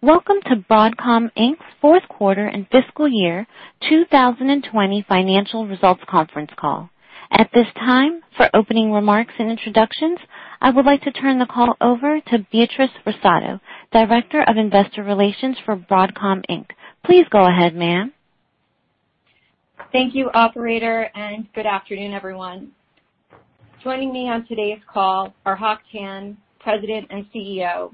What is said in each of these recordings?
Welcome to Broadcom Inc.'s fourth quarter and fiscal year 2020 financial results conference call. At this time, for opening remarks and introductions, I would like to turn the call over to Beatrice Russotto, Director of Investor Relations for Broadcom Inc. Please go ahead, ma'am. Thank you, operator, good afternoon, everyone. Joining me on today's call are Hock Tan, President and CEO,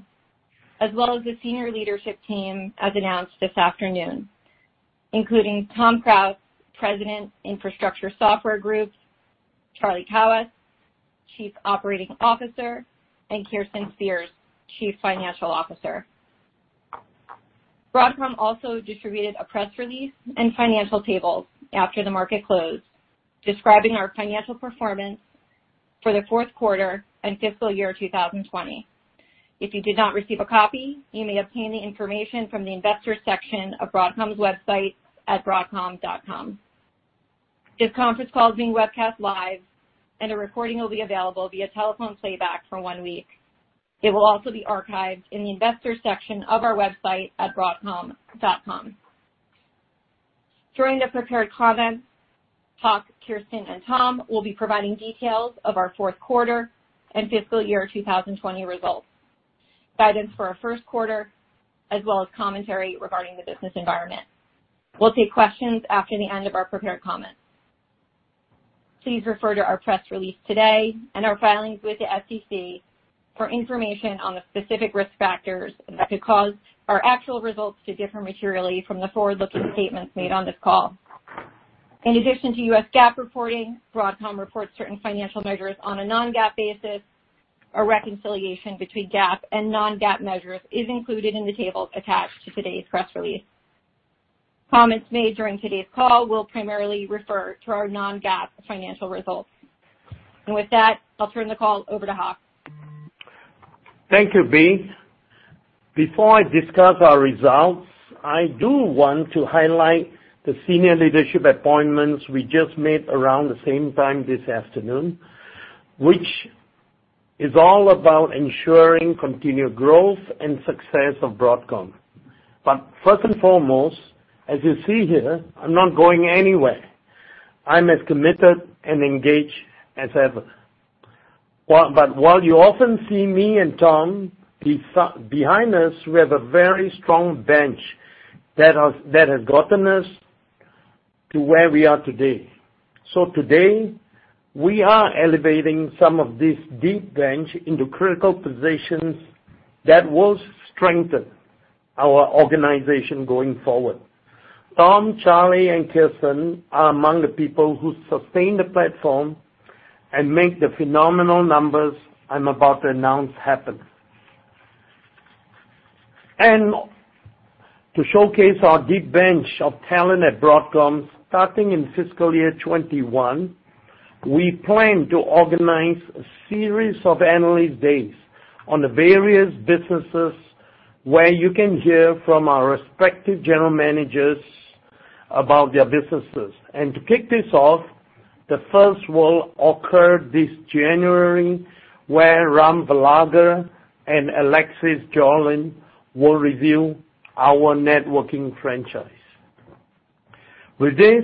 as well as the senior leadership team, as announced this afternoon, including Tom Krause, President, Infrastructure Software Group, Charlie Kawwas, Chief Operating Officer, and Kirsten Spears, Chief Financial Officer. Broadcom also distributed a press release and financial tables after the market closed, describing our financial performance for the fourth quarter and fiscal year 2020. If you did not receive a copy, you may obtain the information from the Investors section of Broadcom's website at broadcom.com. This conference call is being webcast live, a recording will be available via telephone playback for one week. It will also be archived in the Investors section of our website at broadcom.com. During the prepared comments, Hock, Kirsten, and Tom will be providing details of our fourth quarter and fiscal year 2020 results, guidance for our first quarter, as well as commentary regarding the business environment. We'll take questions after the end of our prepared comments. Please refer to our press release today and our filings with the SEC for information on the specific risk factors that could cause our actual results to differ materially from the forward-looking statements made on this call. In addition to U.S. GAAP reporting, Broadcom reports certain financial measures on a non-GAAP basis. A reconciliation between GAAP and non-GAAP measures is included in the tables attached to today's press release. Comments made during today's call will primarily refer to our non-GAAP financial results. With that, I'll turn the call over to Hock. Thank you, Bea. Before I discuss our results, I do want to highlight the senior leadership appointments we just made around the same time this afternoon, which is all about ensuring continued growth and success of Broadcom. First and foremost, as you see here, I'm not going anywhere. I'm as committed and engaged as ever. While you often see me and Tom, behind us, we have a very strong bench that has gotten us to where we are today. Today, we are elevating some of this deep bench into critical positions that will strengthen our organization going forward. Tom, Charlie, and Kirsten are among the people who sustain the platform and make the phenomenal numbers I'm about to announce happen. To showcase our deep bench of talent at Broadcom, starting in fiscal year 2021, we plan to organize a series of analyst days on the various businesses, where you can hear from our respective general managers about their businesses. To kick this off, the first will occur this January, where Ram Velaga and Alexis Björlin will review our networking franchise. With this,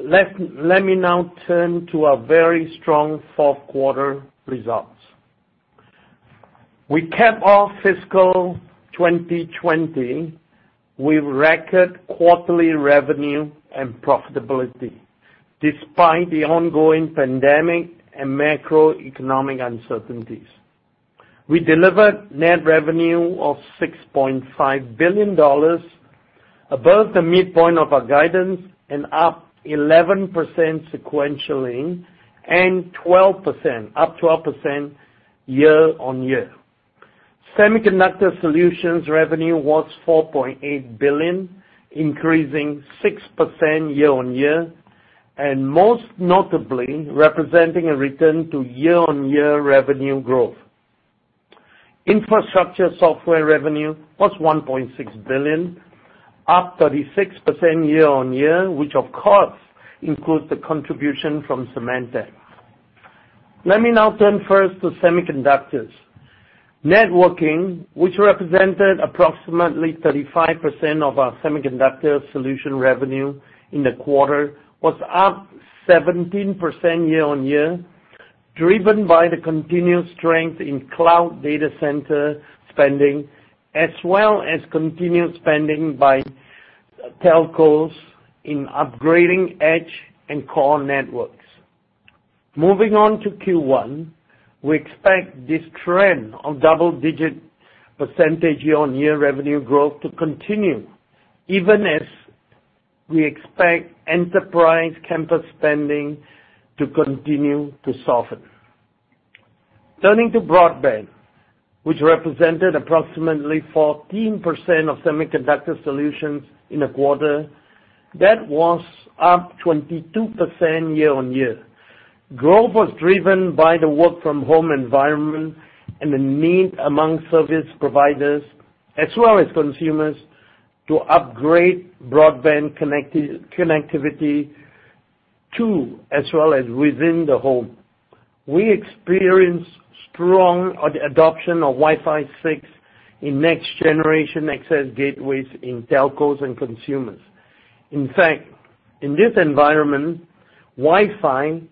let me now turn to our very strong fourth quarter results. We cap off fiscal 2020 with record quarterly revenue and profitability, despite the ongoing pandemic and macroeconomic uncertainties. We delivered net revenue of $6.5 billion, above the midpoint of our guidance and up 11% sequentially and 12%, up 12% year-on-year. Semiconductor solutions revenue was $4.8 billion, increasing 6% year-on-year, and most notably, representing a return to year-on-year revenue growth. Infrastructure Software revenue was $1.6 billion, up 36% year-on-year, which, of course, includes the contribution from Symantec. Let me now turn first to semiconductors. Networking, which represented approximately 35% of our semiconductor solution revenue in the quarter, was up 17% year-on-year, driven by the continued strength in cloud data center spending, as well as continued spending by telcos in upgrading edge and core networks. Moving on to Q1, we expect this trend of double-digit percentage year-on-year revenue growth to continue, even as we expect enterprise campus spending to continue to soften. Turning to broadband, which represented approximately 14% of semiconductor solutions in the quarter, that was up 22% year-on-year. Growth was driven by the work from home environment and the need among service providers, as well as consumers, to upgrade broadband connectivity, as well as within the home. We experienced strong adoption of Wi-Fi 6 in next generation access gateways in telcos and consumers. In fact, in this environment, Wi-Fi,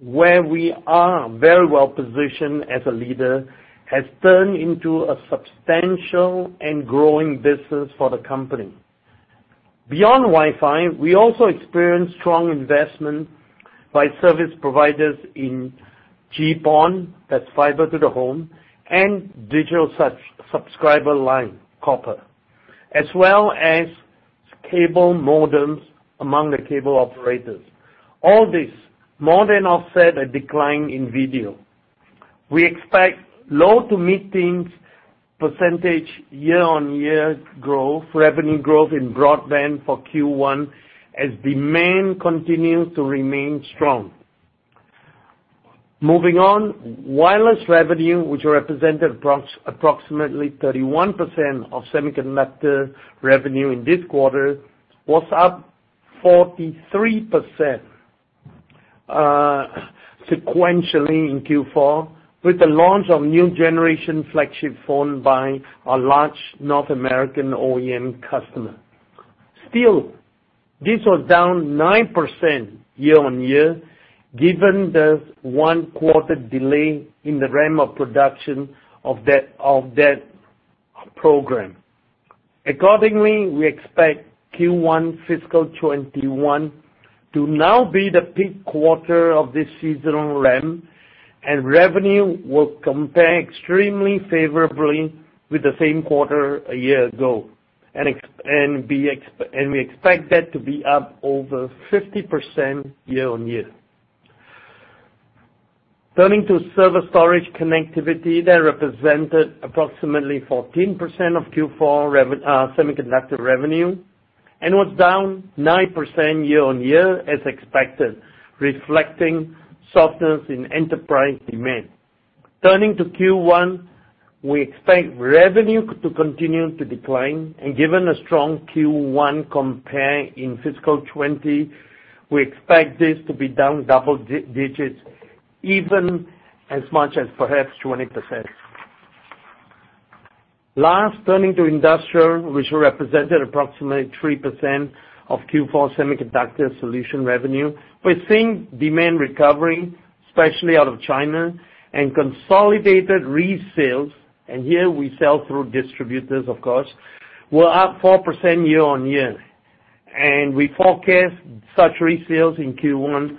where we are very well positioned as a leader, has turned into a substantial and growing business for the company. Beyond Wi-Fi, we also experienced strong investment by service providers in GPON, that's fiber to the home, and digital subscriber line, copper, as well as cable modems among the cable operators. All this more than offset a decline in video. We expect low to mid-teens percentage year-on-year growth, revenue growth in broadband for Q1 as demand continues to remain strong. Moving on, wireless revenue, which represented approximately 31% of semiconductor revenue in this quarter, was up 43% sequentially in Q4 with the launch of new generation flagship phone by a large North American OEM customer. Still, this was down 9% year-on-year given the one quarter delay in the ramp of production of that program. Accordingly, we expect Q1 fiscal 2021 to now be the peak quarter of this seasonal ramp, and revenue will compare extremely favorably with the same quarter a year ago, and we expect that to be up over 50% year-on-year. Turning to server storage connectivity that represented approximately 14% of Q4 semiconductor revenue and was down 9% year-on-year as expected, reflecting softness in enterprise demand. Turning to Q1, we expect revenue to continue to decline, and given a strong Q1 compare in fiscal 2020, we expect this to be down double digits, even as much as perhaps 20%. Last, turning to industrial, which represented approximately 3% of Q4 semiconductor solution revenue. We're seeing demand recovery, especially out of China, consolidated resales, and here we sell through distributors of course, were up 4% year-on-year. We forecast such resales in Q1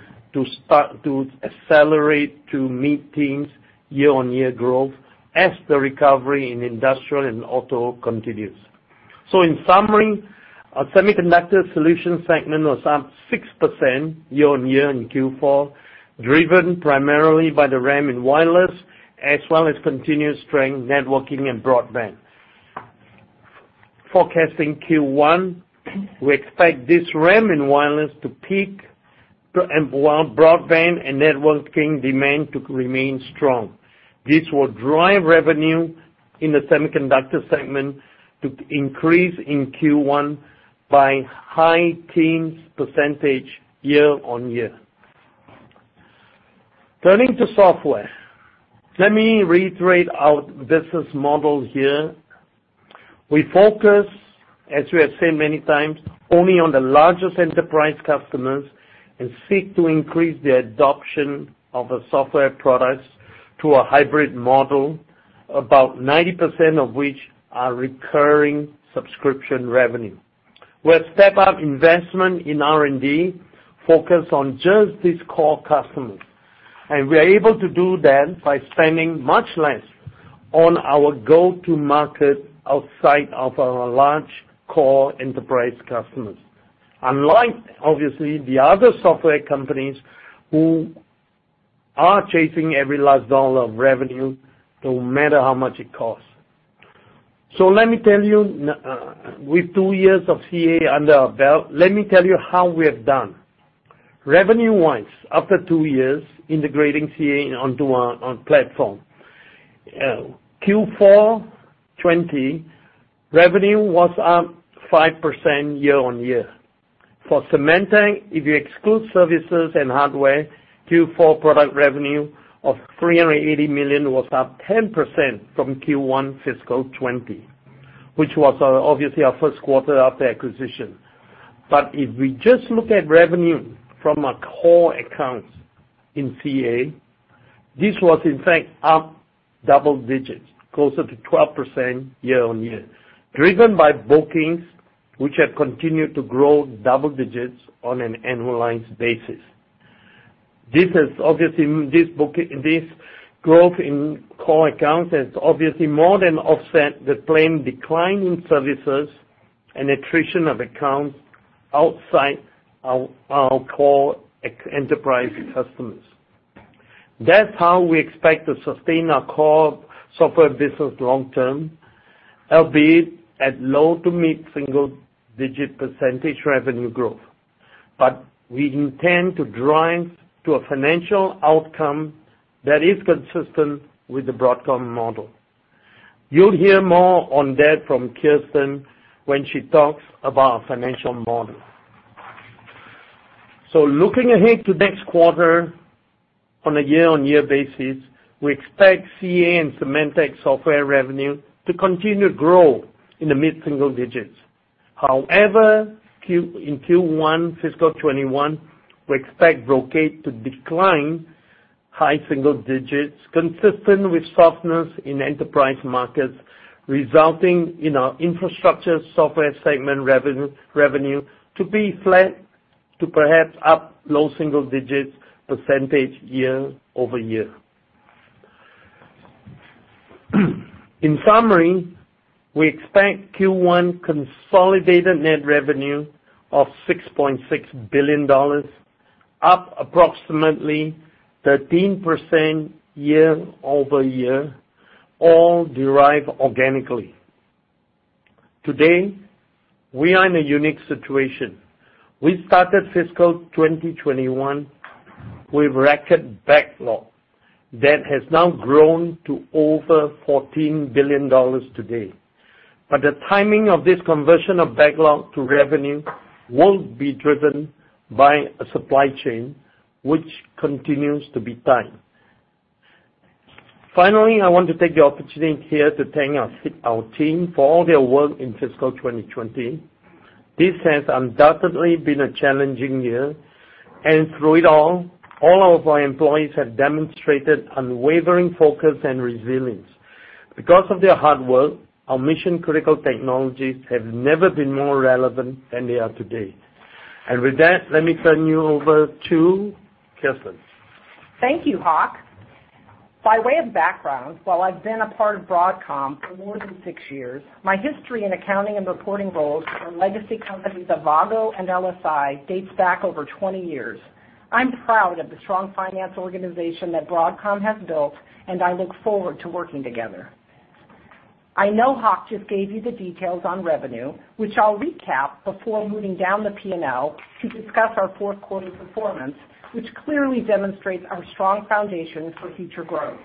to accelerate to mid-teens year-on-year growth as the recovery in industrial and auto continues. In summary, our semiconductor solutions segment was up 6% year-on-year in Q4, driven primarily by the ramp in wireless as well as continued strength networking and broadband. Forecasting Q1, we expect this ramp in wireless to peak and broadband and networking demand to remain strong. This will drive revenue in the semiconductor segment to increase in Q1 by high teens percentage year-on-year. Turning to software. Let me reiterate our business model here. We focus, as we have said many times, only on the largest enterprise customers and seek to increase the adoption of the software products to a hybrid model, about 90% of which are recurring subscription revenue. We have stepped up investment in R&D focused on just these core customers, and we are able to do that by spending much less on our go-to-market outside of our large core enterprise customers. Unlike, obviously, the other software companies who are chasing every last dollar of revenue, no matter how much it costs. Let me tell you, with two years of CA under our belt, let me tell you how we have done. Revenue-wise, after two years integrating CA onto our platform, Q4 2020 revenue was up 5% year-on-year. For Symantec, if you exclude services and hardware, Q4 product revenue of $380 million was up 10% from Q1 fiscal 2020, which was obviously our first quarter after acquisition. If we just look at revenue from our core accounts in CA, this was in fact up double digits, closer to 12% year-over-year, driven by bookings which have continued to grow double digits on an annualized basis. This growth in core accounts has obviously more than offset the plain decline in services and attrition of accounts outside our core enterprise customers. That's how we expect to sustain our core software business long term, albeit at low to mid-single digit percentage revenue growth. We intend to drive to a financial outcome that is consistent with the Broadcom model. You'll hear more on that from Kirsten when she talks about our financial model. Looking ahead to next quarter on a year-on-year basis, we expect CA and Symantec software revenue to continue to grow in the mid-single digits. However, in Q1 fiscal 2021, we expect Brocade to decline high single digits, consistent with softness in enterprise markets, resulting in our Infrastructure Software Group revenue to be flat to perhaps up low single digits percent year-over-year. In summary, we expect Q1 consolidated net revenue of $6.6 billion, up approximately 13% year-over-year, all derived organically. Today, we are in a unique situation. We started fiscal 2021 with record backlog that has now grown to over $14 billion today. The timing of this conversion of backlog to revenue will be driven by a supply chain which continues to be tight. Finally, I want to take the opportunity here to thank our team for all their work in fiscal 2020. This has undoubtedly been a challenging year, and through it all of our employees have demonstrated unwavering focus and resilience. Because of their hard work, our mission-critical technologies have never been more relevant than they are today. With that, let me turn you over to Kirsten. Thank you, Hock. By way of background, while I've been a part of Broadcom for more than six years, my history in accounting and reporting roles for legacy companies Avago and LSI dates back over 20 years. I'm proud of the strong finance organization that Broadcom has built, and I look forward to working together. I know Hock just gave you the details on revenue, which I'll recap before moving down the P&L to discuss our fourth quarter performance, which clearly demonstrates our strong foundation for future growth.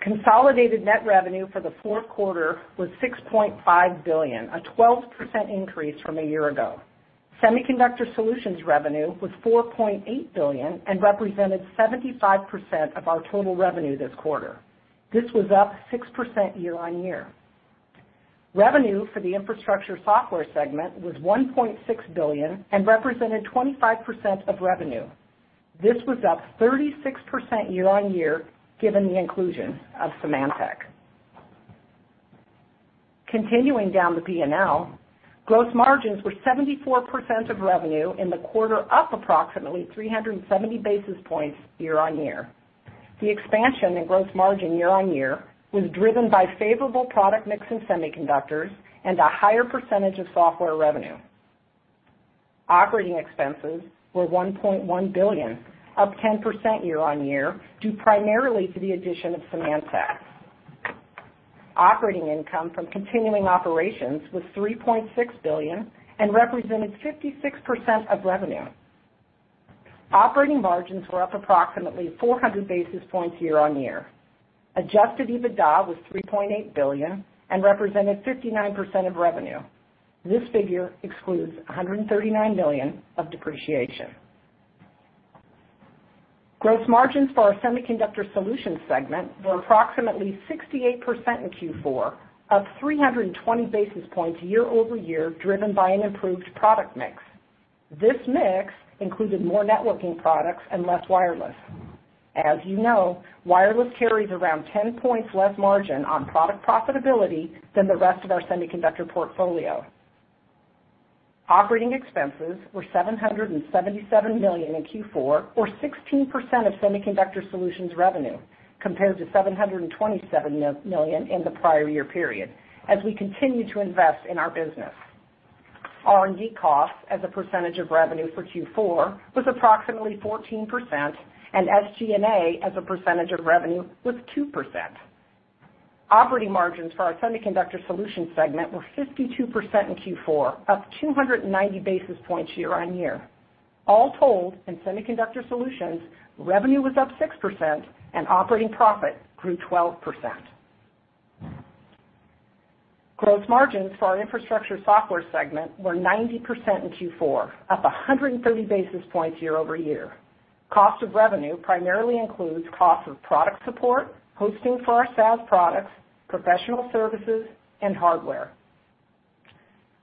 Consolidated net revenue for the fourth quarter was $6.5 billion, a 12% increase from a year ago. Semiconductor solutions revenue was $4.8 billion and represented 75% of our total revenue this quarter. This was up 6% year-on-year. Revenue for the infrastructure software segment was $1.6 billion and represented 25% of revenue. This was up 36% year-on-year, given the inclusion of Symantec. Continuing down the P&L, gross margins were 74% of revenue in the quarter, up approximately 370 basis points year-on-year. The expansion in gross margin year-on-year was driven by favorable product mix in semiconductors and a higher percentage of software revenue. Operating expenses were $1.1 billion, up 10% year-on-year, due primarily to the addition of Symantec. Operating income from continuing operations was $3.6 billion and represented 56% of revenue. Operating margins were up approximately 400 basis points year-on-year. Adjusted EBITDA was $3.8 billion and represented 59% of revenue. This figure excludes $139 million of depreciation. Gross margins for our semiconductor solutions segment were approximately 68% in Q4, up 320 basis points year-over-year, driven by an improved product mix. This mix included more networking products and less wireless. As you know, wireless carries around 10 points less margin on product profitability than the rest of our semiconductor portfolio. Operating expenses were $777 million in Q4, or 16% of Semiconductor Solutions revenue, compared to $727 million in the prior year period as we continue to invest in our business. R&D costs as a percentage of revenue for Q4 was approximately 14%, and SG&A as a percentage of revenue was 2%. Operating margins for our Semiconductor Solutions segment were 52% in Q4, up 290 basis points year-on-year. All told, in Semiconductor Solutions, revenue was up 6% and operating profit grew 12%. Gross margins for our Infrastructure Software segment were 90% in Q4, up 130 basis points year-over-year. Cost of revenue primarily includes cost of product support, hosting for our SaaS products, professional services, and hardware.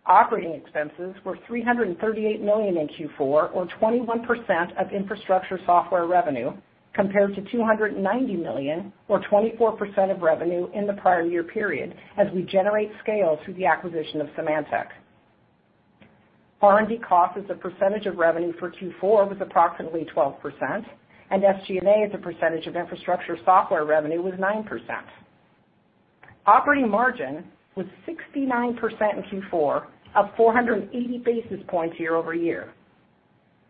Operating expenses were $338 million in Q4 or 21% of Infrastructure Software revenue, compared to $290 million or 24% of revenue in the prior year period as we generate scale through the acquisition of Symantec. R&D cost as a percentage of revenue for Q4 was approximately 12%, and SG&A as a percentage of Infrastructure Software revenue was 9%. Operating margin was 69% in Q4, up 480 basis points year-over-year.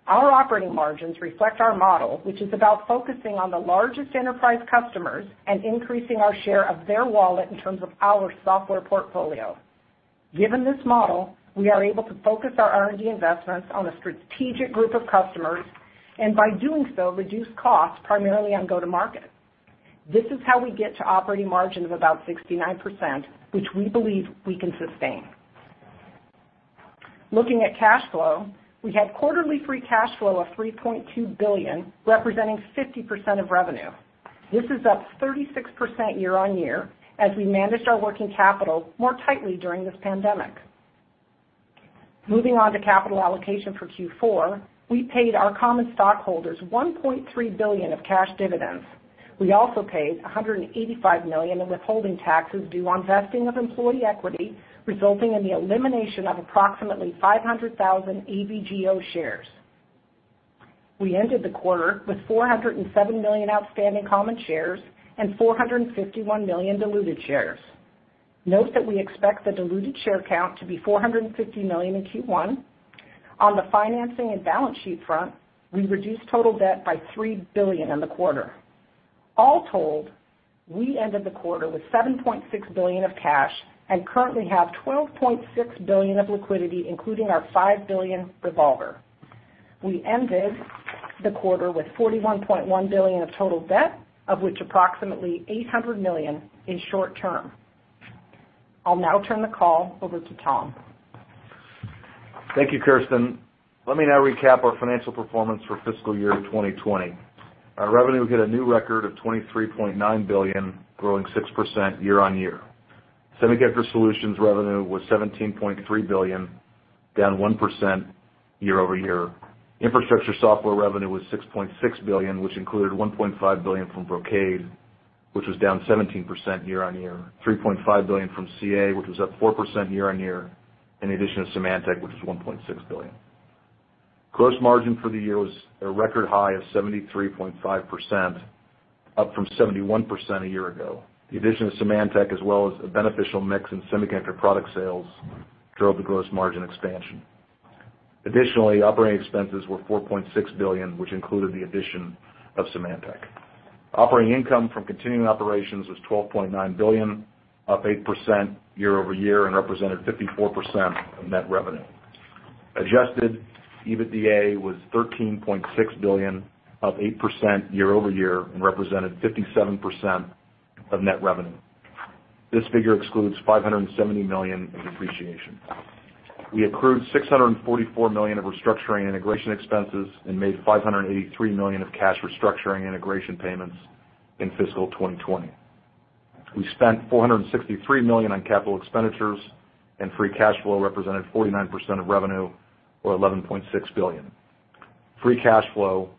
Our operating margins reflect our model, which is about focusing on the largest enterprise customers and increasing our share of their wallet in terms of our software portfolio. Given this model, we are able to focus our R&D investments on a strategic group of customers, and by doing so, reduce costs primarily on go-to-market. This is how we get to operating margin of about 69%, which we believe we can sustain. Looking at cash flow, we had quarterly free cash flow of $3.2 billion, representing 50% of revenue. This is up 36% year-on-year, as we managed our working capital more tightly during this pandemic. Moving on to capital allocation for Q4, we paid our common stockholders $1.3 billion of cash dividends. We also paid $185 million in withholding taxes due on vesting of employee equity, resulting in the elimination of approximately 500,000 AVGO shares. We ended the quarter with 407 million outstanding common shares and 451 million diluted shares. Note that we expect the diluted share count to be 450 million in Q1. On the financing and balance sheet front, we reduced total debt by $3 billion in the quarter. All told, we ended the quarter with $7.6 billion of cash and currently have $12.6 billion of liquidity, including our $5 billion revolver. We ended the quarter with $41.1 billion of total debt, of which approximately $800 million is short term. I'll now turn the call over to Tom. Thank you, Kirsten. Let me now recap our financial performance for fiscal year 2020. Our revenue hit a new record of $23.9 billion, growing 6% year-on-year. Semiconductor solutions revenue was $17.3 billion, down 1% year-over-year. Infrastructure software revenue was $6.6 billion, which included $1.5 billion from Brocade, which was down 17% year-on-year, $3.5 billion from CA, which was up 4% year-on-year, and the addition of Symantec, which was $1.6 billion. Gross margin for the year was a record high of 73.5%, up from 71% a year ago. The addition of Symantec as well as a beneficial mix in semiconductor product sales drove the gross margin expansion. Additionally, operating expenses were $4.6 billion, which included the addition of Symantec. Operating income from continuing operations was $12.9 billion, up 8% year-over-year, and represented 54% of net revenue. Adjusted EBITDA was $13.6 billion, up 8% year-over-year, and represented 57% of net revenue. This figure excludes $570 million in depreciation. We accrued $644 million of restructuring and integration expenses and made $583 million of cash restructuring integration payments in fiscal 2020. We spent $463 million on capital expenditures, and free cash flow represented 49% of revenue or $11.6 billion. Free cash flow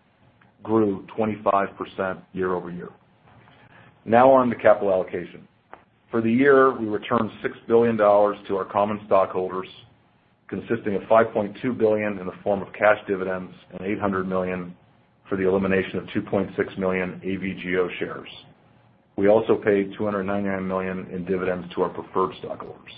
grew 25% year-over-year. Now on to capital allocation. For the year, we returned $6 billion to our common stockholders, consisting of $5.2 billion in the form of cash dividends and $800 million for the elimination of 2.6 million AVGO shares. We also paid $299 million in dividends to our preferred stockholders.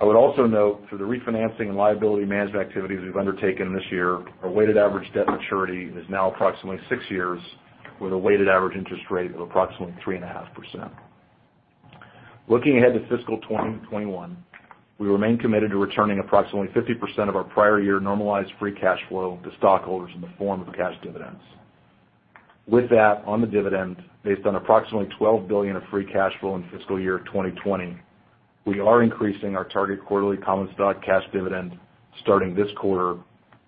I would also note through the refinancing and liability management activities we've undertaken this year, our weighted average debt maturity is now approximately six years, with a weighted average interest rate of approximately 3.5%. Looking ahead to fiscal 2021, we remain committed to returning approximately 50% of our prior year normalized free cash flow to stockholders in the form of cash dividends. With that, on the dividend, based on approximately $12 billion of free cash flow in fiscal year 2020, we are increasing our target quarterly common stock cash dividend starting this quarter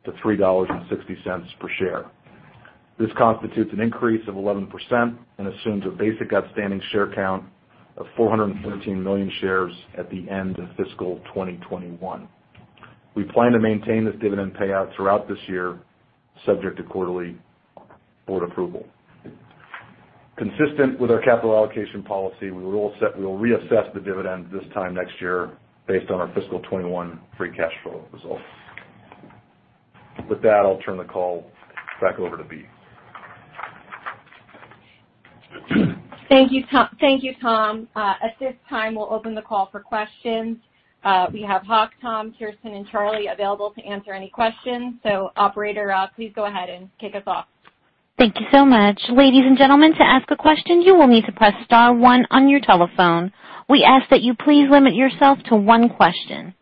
to $3.60 per share. This constitutes an increase of 11% and assumes a basic outstanding share count of 413 million shares at the end of fiscal 2021. We plan to maintain this dividend payout throughout this year, subject to quarterly board approval. Consistent with our capital allocation policy, we will reassess the dividend this time next year based on our fiscal 2021 free cash flow results. With that, I'll turn the call back over to Bea. Thank you, Tom. At this time, we'll open the call for questions. We have Hock, Tom, Kirsten, and Charlie available to answer any questions. Operator, please go ahead and kick us off. Thank you so much. Ladies and gentlemen, to ask a question, you will need to press *1 on your telephone. We ask that you please limit yourself to one question.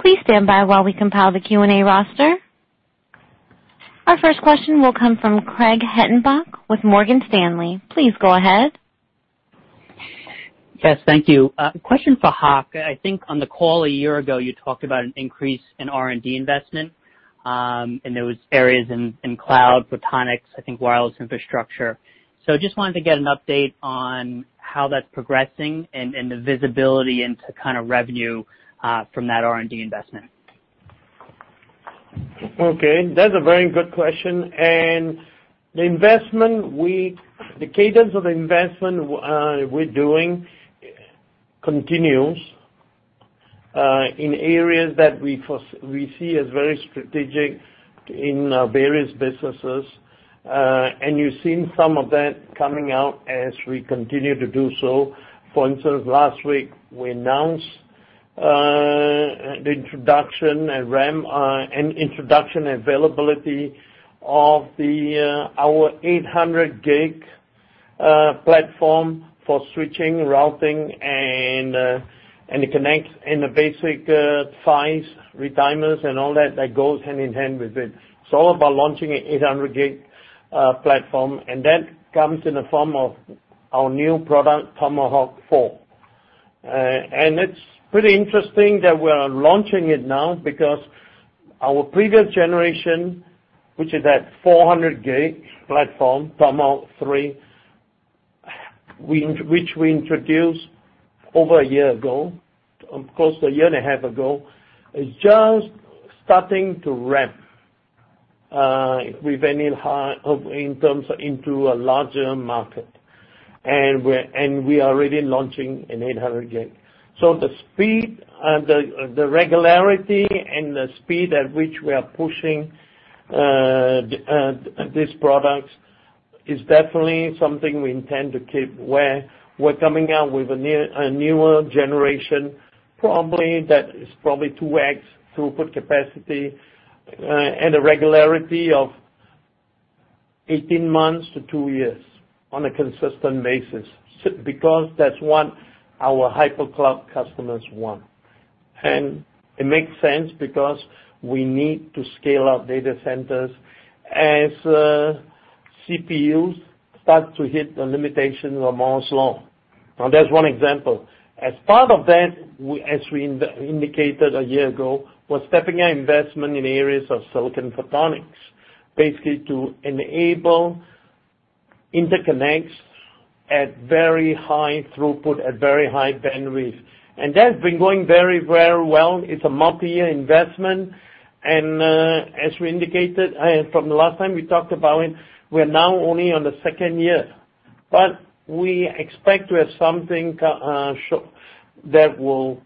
Please stand by while we compile the Q&A roster. Our first question will come from Craig Hettenbach with Morgan Stanley. Please go ahead. Yes, thank you. A question for Hock. I think on the call a year ago, you talked about an increase in R&D investment, and there was areas in cloud, photonics, I think wireless infrastructure. Just wanted to get an update on how that's progressing and the visibility into kind of revenue from that R&D investment. Okay. That's a very good question. The cadence of investment we're doing continues in areas that we see as very strategic in various businesses. You've seen some of that coming out as we continue to do so. For instance, last week we announced The introduction and availability of our 800G platform for switching, routing, and interconnects in the ASICs, PHYs, retimers and all that goes hand in hand with it. It's all about launching an 800G platform, That comes in the form of our new product, Tomahawk 4. It's pretty interesting that we're launching it now because our previous generation, which is that 400G platform, Tomahawk 3, which we introduced over a year ago, of course, a year and a half ago, is just starting to ramp in terms into a larger market. We are already launching an 800G. The speed and the regularity at which we are pushing these products is definitely something we intend to keep where we're coming out with a newer generation, that is probably 2x throughput capacity, and a regularity of 18 months to two years on a consistent basis, because that's what our hyperscale customers want. It makes sense because we need to scale out data centers as CPUs start to hit the limitations of Moore's law. That's one example. As part of that, as we indicated a year ago, we're stepping our investment in areas of silicon photonics, basically to enable interconnects at very high throughput, at very high bandwidth. That's been going very well. It's a multi-year investment. As we indicated from the last time we talked about it, we're now only on the second year, but we expect to have something that will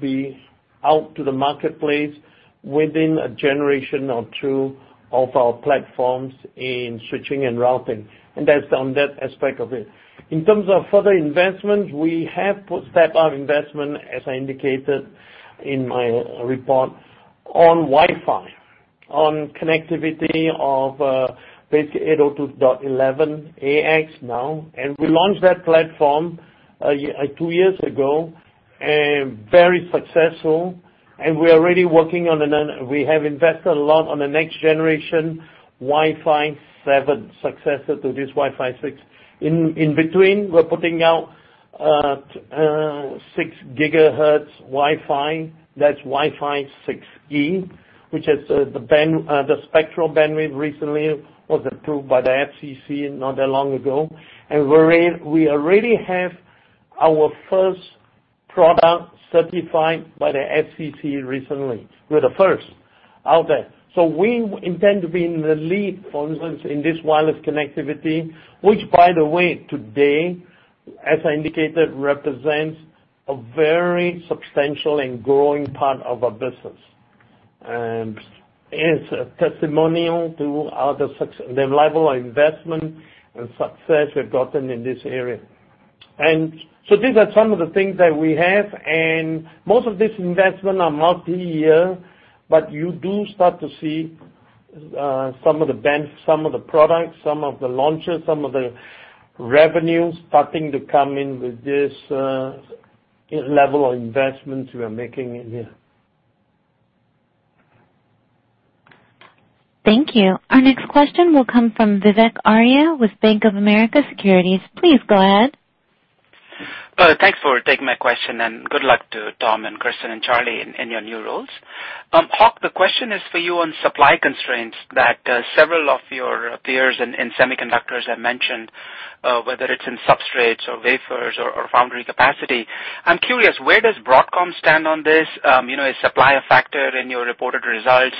be out to the marketplace within a generation or two of our platforms in switching and routing, and that's on that aspect of it. In terms of further investment, we have stepped up investment, as I indicated in my report, on Wi-Fi, on connectivity of basically 802.11ax now. We launched that platform two years ago, very successful, we have invested a lot on the next generation, Wi-Fi 7, successor to this Wi-Fi 6. In between, we're putting out six gigahertz Wi-Fi, that's Wi-Fi 6E, which has the spectral bandwidth recently was approved by the FCC not that long ago. We already have our first product certified by the FCC recently. We're the first out there. We intend to be in the lead, for instance, in this wireless connectivity, which by the way, today, as I indicated, represents a very substantial and growing part of our business. It's a testimonial to the level of investment and success we've gotten in this area. These are some of the things that we have, and most of these investment are multi-year, but you do start to see some of the products, some of the launches, some of the revenue starting to come in with this level of investments we are making in here. Thank you. Our next question will come from Vivek Arya with Bank of America Securities. Please go ahead. Thanks for taking my question. Good luck to Tom and Kirsten and Charlie in your new roles. Hock, the question is for you on supply constraints that several of your peers in semiconductors have mentioned, whether it's in substrates or wafers or foundry capacity. I'm curious, where does Broadcom stand on this? Is supply a factor in your reported results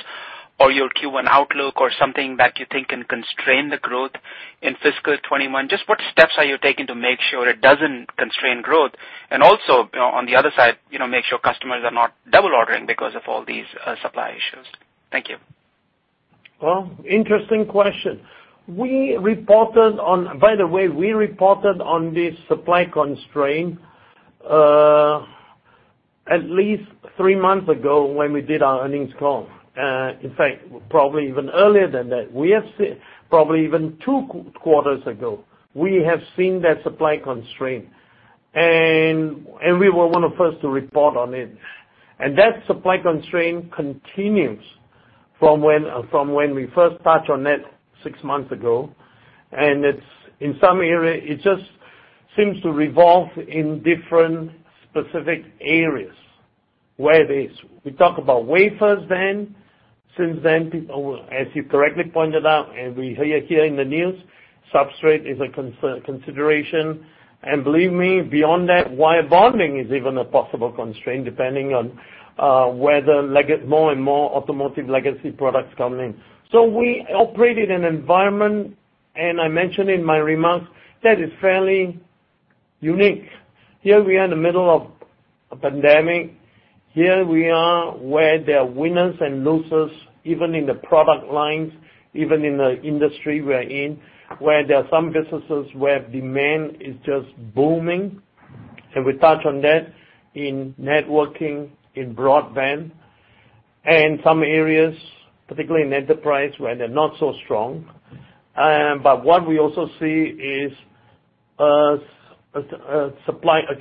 or your Q1 outlook or something that you think can constrain the growth in fiscal 2021? Just what steps are you taking to make sure it doesn't constrain growth? Also, on the other side, make sure customers are not double ordering because of all these supply issues. Thank you. Well, interesting question. By the way, we reported on this supply constraint at least three months ago when we did our earnings call. In fact, probably even earlier than that. Probably even two quarters ago, we have seen that supply constraint, and we were one of the first to report on it. That supply constraint continues from when we first touched on it six months ago. In some area, it just seems to revolve in different specific areas where it is. We talk about wafers then. Since then, as you correctly pointed out and we hear in the news, substrate is a consideration. Believe me, beyond that, wire bonding is even a possible constraint, depending on whether more and more automotive legacy products come in. We operate in an environment, and I mentioned in my remarks, that is fairly unique. Here we are in the middle of a pandemic. Here we are where there are winners and losers, even in the product lines, even in the industry we are in, where there are some businesses where demand is just booming. We touch on that in networking, in broadband, and some areas, particularly in enterprise, where they're not so strong. What we also see is a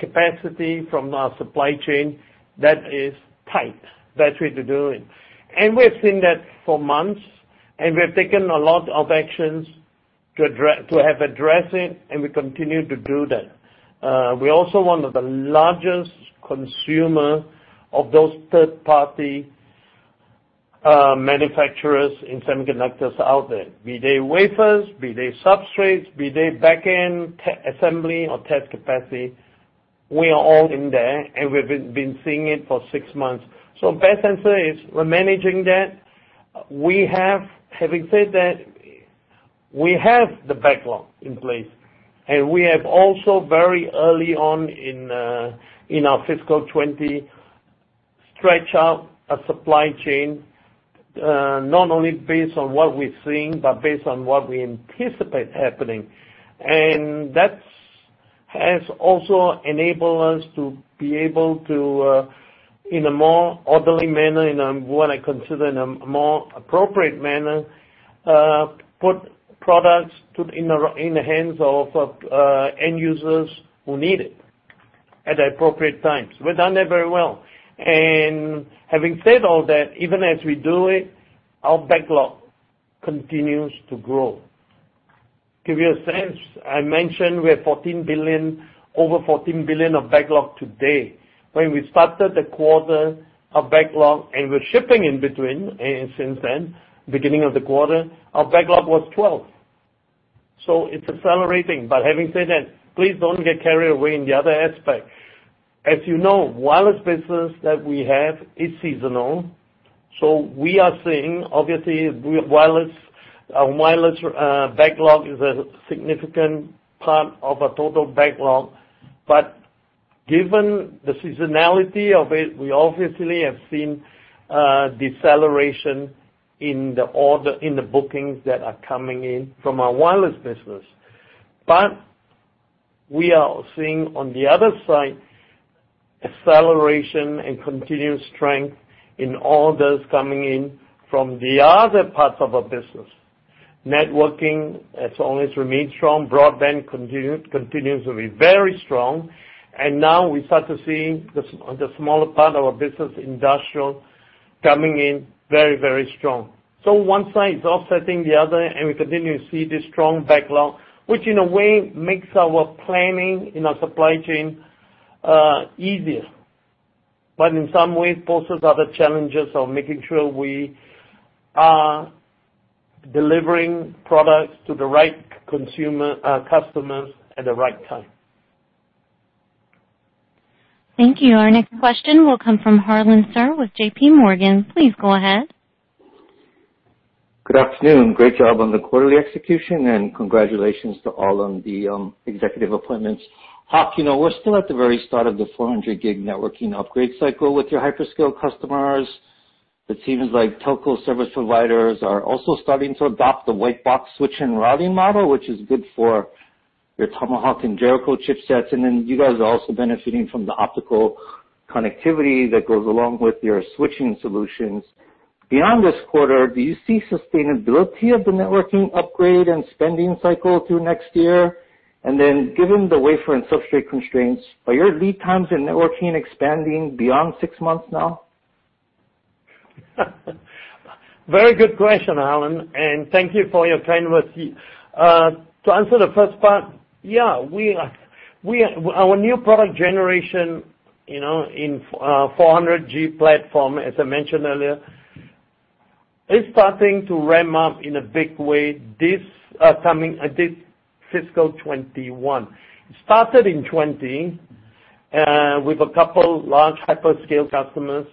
capacity from our supply chain that is tight. That's what we're doing. We've seen that for months, and we have taken a lot of actions to have address it, and we continue to do that. We're also one of the largest consumer of those third-party manufacturers in semiconductors out there, be they wafers, be they substrates, be they backend assembly or test capacity. We are all in there, and we've been seeing it for six months. Best answer is we're managing that. Having said that, we have the backlog in place, and we have also, very early on in our fiscal 2020, stretched out a supply chain, not only based on what we're seeing, but based on what we anticipate happening. That has also enabled us to be able to, in a more orderly manner, in what I consider in a more appropriate manner, put products in the hands of end users who need it at the appropriate times. We've done that very well. Having said all that, even as we do it, our backlog continues to grow. To give you a sense, I mentioned we have over $14 billion of backlog today. When we started the quarter, our backlog, and we're shipping in between, and since then, beginning of the quarter, our backlog was $12 billion. It's accelerating. Having said that, please don't get carried away in the other aspect. As you know, wireless business that we have is seasonal. We are seeing, obviously, our wireless backlog is a significant part of our total backlog. Given the seasonality of it, we obviously have seen a deceleration in the bookings that are coming in from our wireless business. We are seeing on the other side, acceleration and continued strength in orders coming in from the other parts of our business. Networking has always remained strong. Broadband continues to be very strong. Now we start to see the smaller part of our business, industrial, coming in very, very strong. One side is offsetting the other, and we continue to see this strong backlog, which in a way makes our planning in our supply chain easier. In some ways poses other challenges of making sure we are delivering products to the right customers at the right time. Thank you. Our next question will come from Harlan Sur with JPMorgan. Please go ahead. Good afternoon. Great job on the quarterly execution, congratulations to all on the executive appointments. Hock, we're still at the very start of the 400G networking upgrade cycle with your hyperscale customers. It seems like telco service providers are also starting to adopt the white box switch and routing model, which is good for your Tomahawk and Jericho chipsets. You guys are also benefiting from the optical connectivity that goes along with your switching solutions. Beyond this quarter, do you see sustainability of the networking upgrade and spending cycle through next year? Given the wafer and substrate constraints, are your lead times in networking expanding beyond six months now? Very good question, Harlan, and thank you for your kind words. To answer the first part, yeah. Our new product generation in 400 G platform, as I mentioned earlier, is starting to ramp up in a big way this fiscal 2021. It started in 2020 with a couple large hyperscale customers,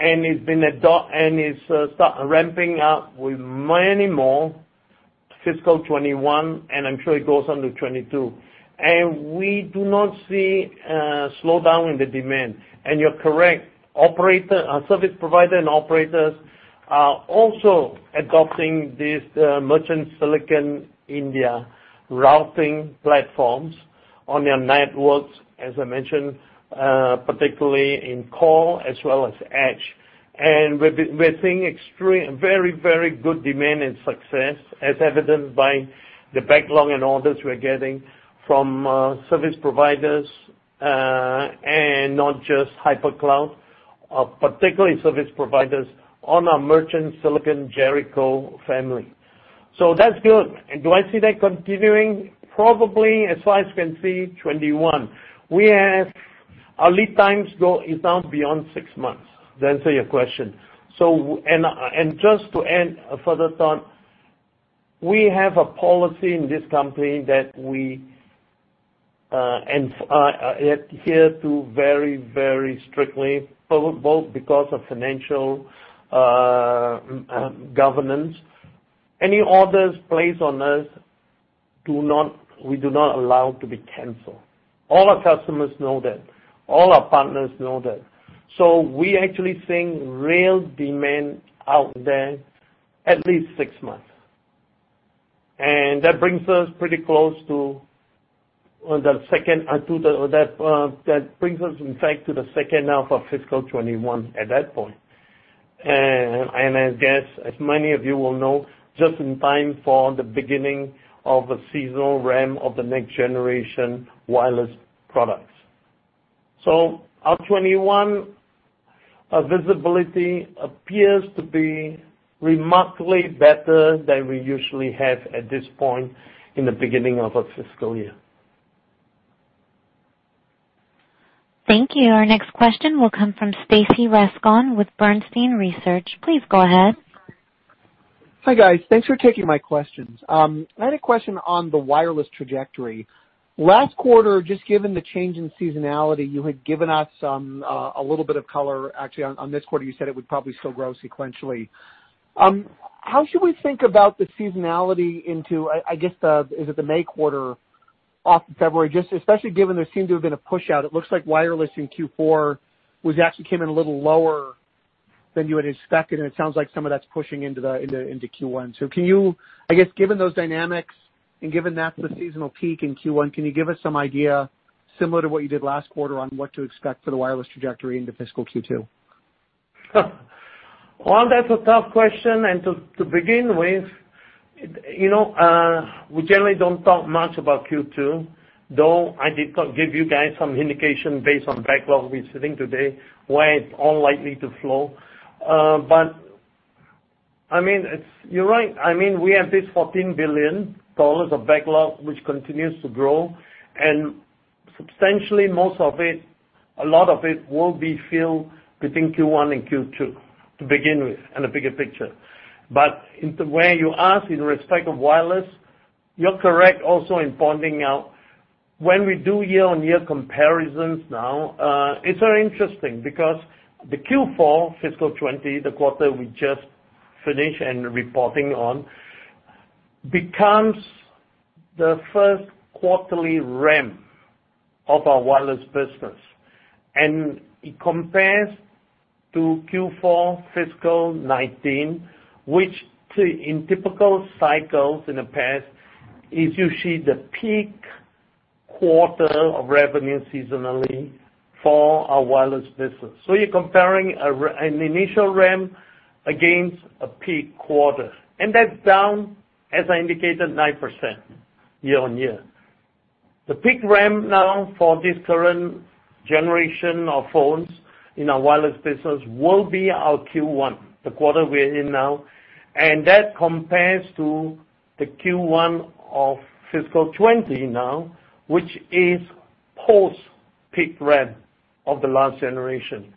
and it's start ramping up with many more fiscal 2021, and I'm sure it goes on to 2022. We do not see a slowdown in the demand. You're correct, service provider and operators are also adopting these merchant silicon in their routing platforms on their networks, as I mentioned, particularly in core as well as edge. We're seeing very, very good demand and success, as evidenced by the backlog and orders we're getting from service providers, and not just hyperscale, particularly service providers on our merchant silicon Jericho family. That's good. Do I see that continuing? Probably, as far as we can see, 2021. Our lead times is now beyond six months, to answer your question. Just to end, a further thought, we have a policy in this company that we adhere to very, very strictly, both because of financial governance. Any orders placed on us, we do not allow to be canceled. All our customers know that. All our partners know that. We actually seeing real demand out there at least six months. That brings us pretty close to the second half of fiscal 2021 at that point. I guess as many of you will know, just in time for the beginning of the seasonal ramp of the next generation wireless products. Our 2021 visibility appears to be remarkably better than we usually have at this point in the beginning of a fiscal year. Thank you. Our next question will come from Stacy Rasgon with Bernstein Research. Please go ahead. Hi, guys. Thanks for taking my questions. I had a question on the wireless trajectory. Last quarter, just given the change in seasonality, you had given us a little bit of color actually on this quarter, you said it would probably still grow sequentially. How should we think about the seasonality into, is it the May quarter off of February, just especially given there seemed to have been a push out. It looks like wireless in Q4 was actually came in a little lower than you had expected, and it sounds like some of that's pushing into Q1. Can you, given those dynamics and given that's the seasonal peak in Q1, can you give us some idea similar to what you did last quarter on what to expect for the wireless trajectory into fiscal Q2? Well, that's a tough question. To begin with, we generally don't talk much about Q2, though I did give you guys some indication based on backlog we're sitting today, where it's all likely to flow. You're right. We have this $14 billion of backlog, which continues to grow, and substantially most of it, a lot of it will be filled between Q1 and Q2 to begin with in a bigger picture. Where you ask in respect of wireless, you're correct also in pointing out when we do year-on-year comparisons now, it's very interesting because the Q4 fiscal 2020, the quarter we just finished and reporting on, becomes the first quarterly ramp of our wireless business. It compares to Q4 fiscal 2019, which in typical cycles in the past is usually the peak quarter of revenue seasonally for our wireless business. You're comparing an initial ramp against a peak quarter, and that's down, as I indicated, 9% year-on-year. The peak ramp now for this current generation of phones in our wireless business will be our Q1, the quarter we're in now, and that compares to the Q1 of fiscal 2020 now, which is post-peak ramp of the last generation.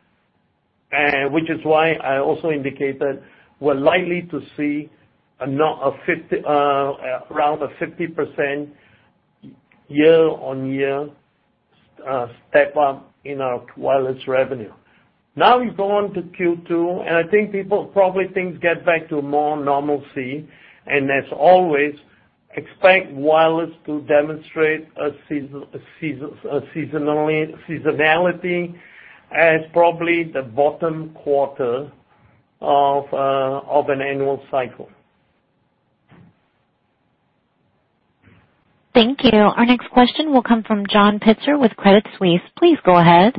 Which is why I also indicated we're likely to see around a 50% year-on-year step up in our wireless revenue. Now we go on to Q2, and I think people probably think get back to more normalcy, and as always, expect wireless to demonstrate a seasonality as probably the bottom quarter of an annual cycle. Thank you. Our next question will come from John Pitzer with Credit Suisse. Please go ahead.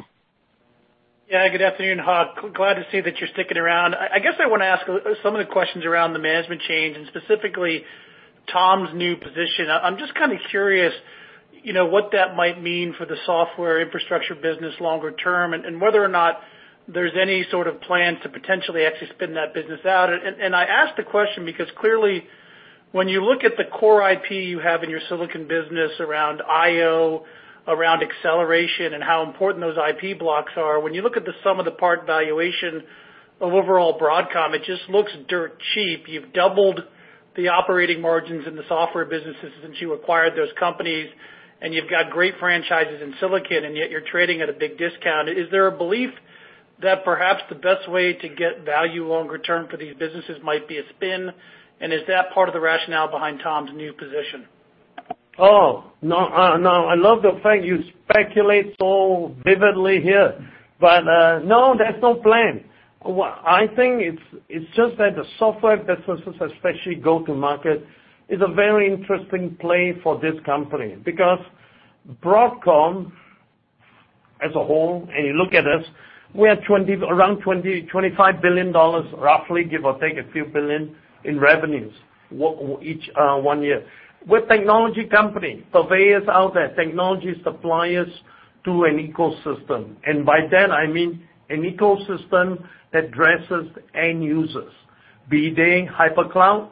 Yeah, good afternoon, Hock. Glad to see that you're sticking around. I guess I want to ask some of the questions around the management change and specifically Tom's new position. I'm just kind of curious, what that might mean for the software infrastructure business longer term, and whether or not there's any sort of plan to potentially actually spin that business out. I ask the question because clearly, when you look at the core IP you have in your silicon business around IO, around acceleration, and how important those IP blocks are. When you look at the sum of the part valuation of overall Broadcom, it just looks dirt cheap. You've doubled the operating margins in the software businesses since you acquired those companies, and you've got great franchises in silicon, and yet you're trading at a big discount. Is there a belief that perhaps the best way to get value longer term for these businesses might be a spin? Is that part of the rationale behind Tom's new position? Oh, no. I love the fact you speculate so vividly here. No, there's no plan. I think it's just that the software businesses, especially go-to-market, is a very interesting play for this company. Broadcom as a whole, and you look at us, we're around $25 billion, roughly, give or take a few billion in revenues each one year. We're a technology company, purveyors out there, technology suppliers to an ecosystem. By that I mean an ecosystem that addresses end users, be they hyperscale,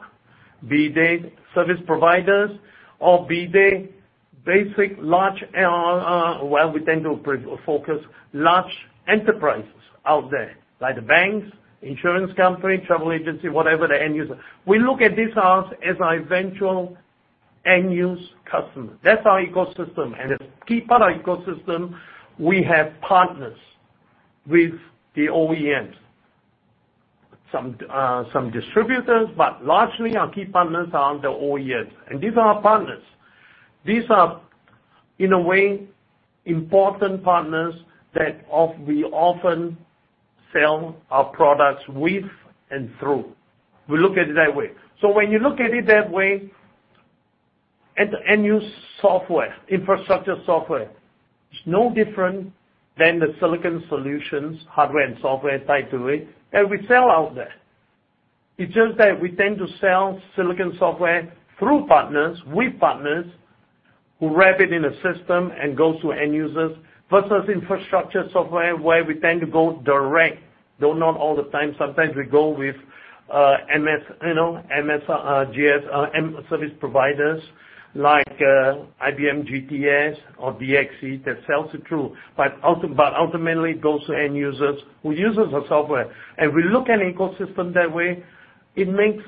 be they service providers, or be they basic large, well, we tend to focus large enterprises out there, like the banks, insurance company, travel agency, whatever the end user. We look at these as our eventual end-use customer. That's our ecosystem. A key part our ecosystem, we have partners with the OEMs. Some distributors, but largely our key partners are the OEMs. These are our partners. These are, in a way, important partners that we often sell our products with and through. We look at it that way. When you look at it that way, at the end-use software, infrastructure software, it's no different than the silicon solutions, hardware and software tied to it, and we sell out there. It's just that we tend to sell silicon software through partners, with partners, who wrap it in a system and goes to end users versus infrastructure software, where we tend to go direct, though not all the time. Sometimes we go with MSPs and service providers like IBM, GTS, or DXC that sells it through. Ultimately, it goes to end users who uses our software. We look at ecosystem that way. It makes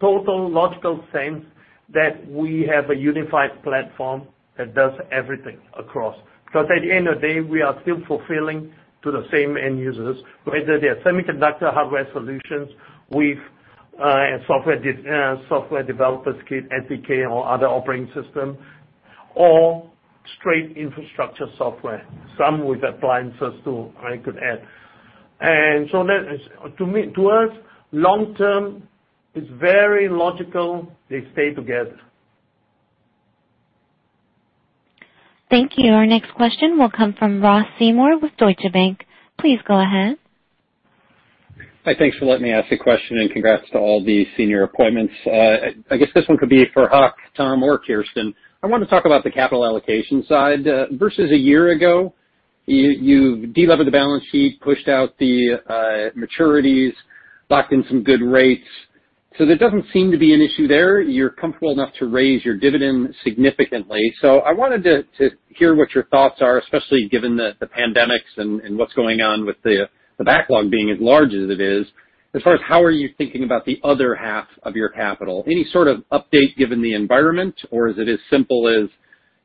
total logical sense that we have a unified platform that does everything across. At the end of the day, we are still fulfilling to the same end users, whether they are semiconductor hardware solutions with a Software Development Kit, SDK, or other operating system, or straight infrastructure software, some with appliances too, I could add. To us, long term, it's very logical they stay together. Thank you. Our next question will come from Ross Seymore with Deutsche Bank. Please go ahead. Hi. Thanks for letting me ask a question. Congrats to all the senior appointments. I guess this one could be for Hock, Tom, or Kirsten. I want to talk about the capital allocation side. Versus a year ago, you've de-levered the balance sheet, pushed out the maturities, locked in some good rates. There doesn't seem to be an issue there. You're comfortable enough to raise your dividend significantly. I wanted to hear what your thoughts are, especially given the pandemics and what's going on with the backlog being as large as it is, as far as how are you thinking about the other half of your capital? Any sort of update given the environment, or is it as simple as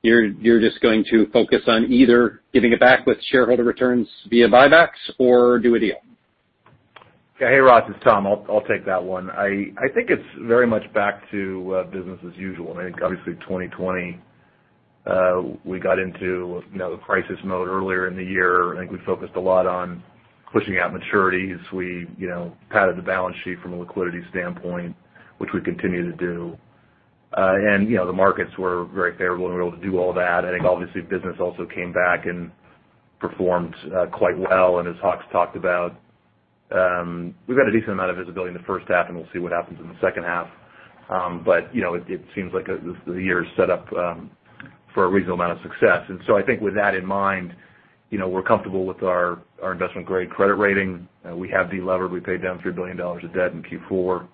you're just going to focus on either giving it back with shareholder returns via buybacks or do a deal? Hey, Ross, it's Tom. I'll take that one. I think it's very much back to business as usual. I think obviously 2020, we got into crisis mode earlier in the year. I think we focused a lot on pushing out maturities. We padded the balance sheet from a liquidity standpoint, which we continue to do. The markets were very favorable and we were able to do all that. I think obviously business also came back and performed quite well, and as Hock's talked about, we've got a decent amount of visibility in the first half, and we'll see what happens in the second half. It seems like the year is set up for a reasonable amount of success. I think with that in mind, we're comfortable with our investment-grade credit rating. We have de-levered. We paid down $3 billion of debt in Q4.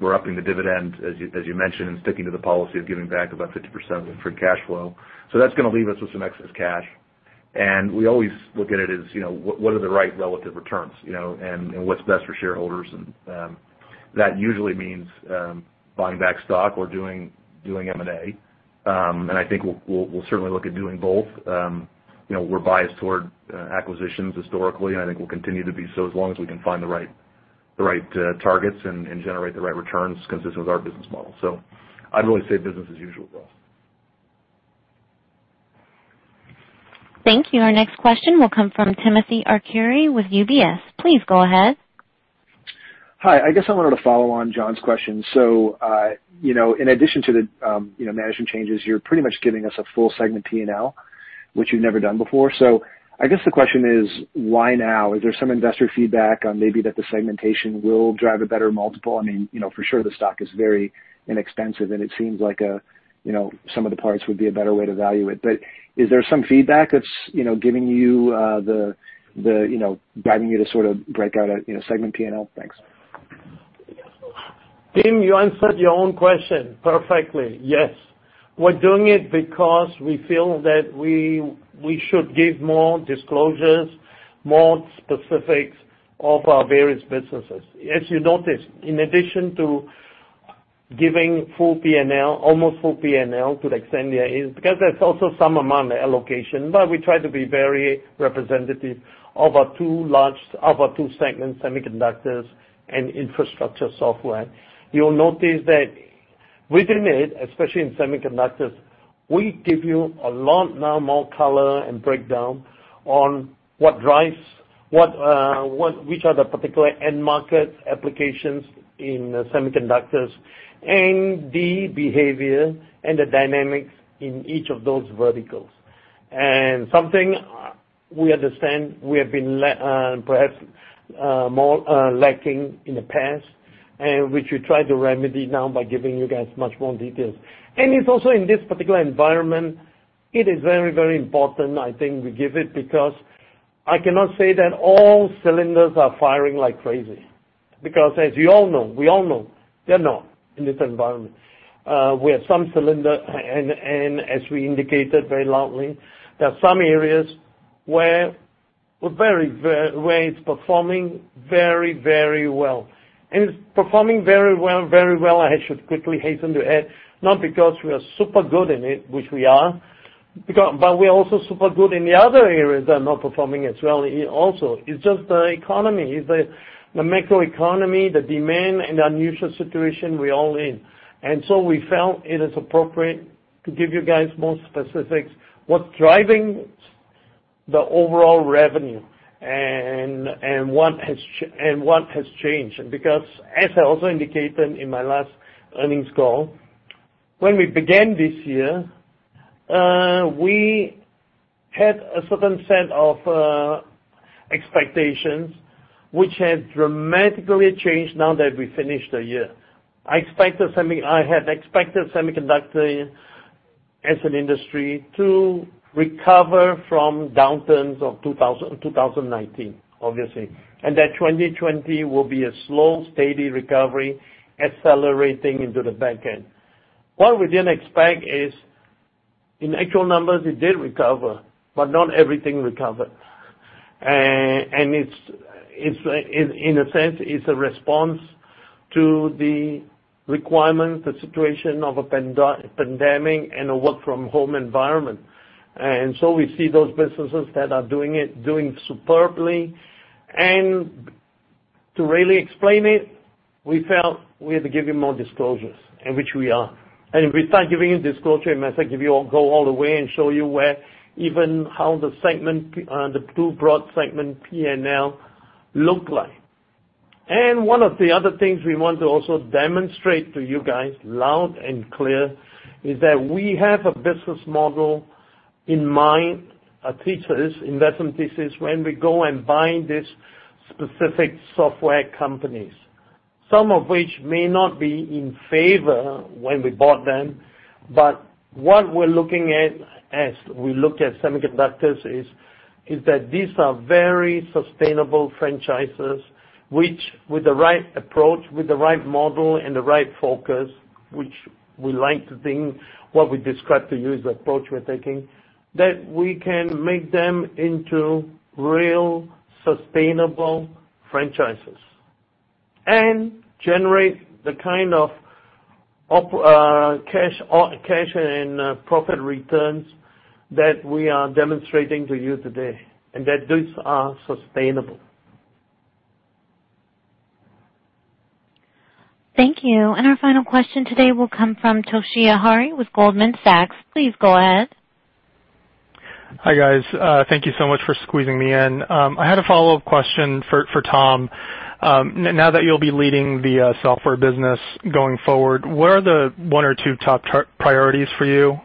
We're upping the dividend, as you mentioned, and sticking to the policy of giving back about 50% of the free cash flow. That's going to leave us with some excess cash. We always look at it as, what are the right relative returns, and what's best for shareholders. That usually means buying back stock or doing M&A. I think we'll certainly look at doing both. We're biased toward acquisitions historically, and I think we'll continue to be so as long as we can find the right targets and generate the right returns consistent with our business model. I'd really say business as usual, Ross. Thank you. Our next question will come from Timothy Arcuri with UBS. Please go ahead. Hi. I guess I wanted to follow on John's question. In addition to the management changes, you're pretty much giving us a full segment P&L, which you've never done before. I guess the question is, why now? Is there some investor feedback on maybe that the segmentation will drive a better multiple? For sure the stock is very inexpensive, and it seems like some of the parts would be a better way to value it. Is there some feedback that's driving you to sort of break out a segment P&L? Thanks. Tim, you answered your own question perfectly. Yes. We're doing it because we feel that we should give more disclosures, more specifics of our various businesses. As you noticed, in addition to giving full P&L, almost full P&L to the extent there is, because there's also some amount of allocation, but we try to be very representative of our two segments, semiconductors and infrastructure software. You'll notice that within it, especially in semiconductors, we give you a lot now more color and breakdown on what drives, which are the particular end market applications in semiconductors, and the behavior and the dynamics in each of those verticals. Something we understand we have been perhaps more lacking in the past, and which we try to remedy now by giving you guys much more details. It's also in this particular environment, it is very important, I think we give it because I cannot say that all cylinders are firing like crazy. As you all know, we all know they're not in this environment. We have some cylinder, as we indicated very loudly, there are some areas where it's performing very well. It's performing very well, I should quickly hasten to add, not because we are super good in it, which we are. We're also super good in the other areas that are not performing as well also. It's just the economy, it's the macroeconomy, the demand, and the unusual situation we're all in. We felt it is appropriate to give you guys more specifics, what's driving the overall revenue and what has changed. As I also indicated in my last earnings call, when we began this year, we had a certain set of expectations which have dramatically changed now that we finished the year. I had expected semiconductor as an industry to recover from downturns of 2019, obviously, and that 2020 will be a slow, steady recovery accelerating into the back end. What we didn't expect is, in actual numbers, it did recover, but not everything recovered. In a sense, it's a response to the requirements, the situation of a pandemic, and a work from home environment. We see those businesses that are doing it doing superbly. To really explain it, we felt we had to give you more disclosures, and which we are. If we start giving you disclosure, it might as well go all the way and show you where even how the Broadcom segment P&L look like. One of the other things we want to also demonstrate to you guys loud and clear is that we have a business model in mind, a thesis, investment thesis, when we go and buy this specific software companies, some of which may not be in favor when we bought them. What we're looking at as we look at semiconductors is that these are very sustainable franchises, which with the right approach, with the right model, and the right focus, which we like to think, what we described to you is the approach we're taking, that we can make them into real sustainable franchises. Generate the kind of cash and profit returns that we are demonstrating to you today, and that those are sustainable. Thank you. Our final question today will come from Toshiya Hari with Goldman Sachs. Please go ahead. Hi, guys. Thank you so much for squeezing me in. I had a follow-up question for Tom. Now that you'll be leading the software business going forward, what are the one or two top priorities for you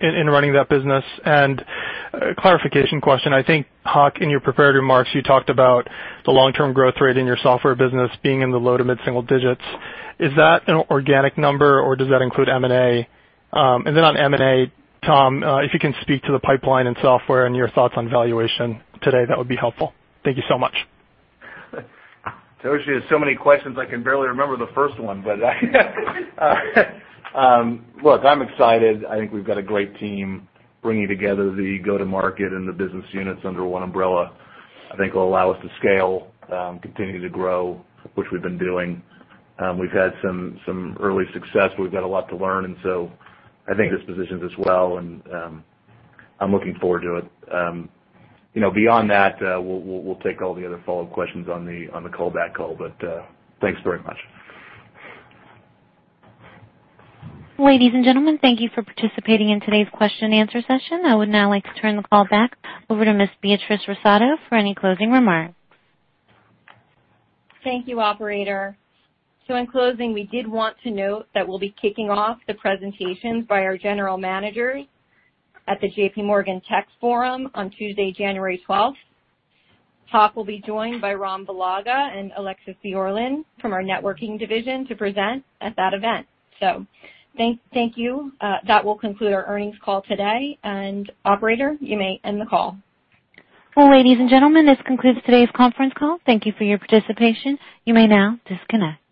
in running that business? A clarification question, I think, Hock, in your prepared remarks, you talked about the long-term growth rate in your software business being in the low to mid single digits. Is that an organic number or does that include M&A? On M&A, Tom, if you can speak to the pipeline and software and your thoughts on valuation today, that would be helpful. Thank you so much. Toshiya, so many questions, I can barely remember the first one. Look, I'm excited. I think we've got a great team bringing together the go-to-market and the business units under one umbrella, I think will allow us to scale, continue to grow, which we've been doing. We've had some early success. We've got a lot to learn. I think this positions us well, and I'm looking forward to it. Beyond that, we'll take all the other follow-up questions on the callback call, but thanks very much. Ladies and gentlemen, thank you for participating in today's question and answer session. I would now like to turn the call back over to Ms. Beatrice Russotto for any closing remarks. Thank you, operator. In closing, we did want to note that we'll be kicking off the presentations by our general manager at the JPMorgan Tech Forum on Tuesday, January 12th. Hock will be joined by Ram Velaga and Alexis Björlin from our networking division to present at that event. Thank you. That will conclude our earnings call today. Operator, you may end the call. Well, ladies and gentlemen, this concludes today's conference call. Thank you for your participation. You may now disconnect.